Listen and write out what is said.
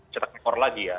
cetak ekor lagi ya